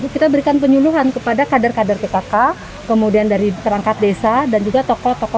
kita berikan penyuluhan kepada kader kader pkk kemudian dari perangkat desa dan juga tokoh tokoh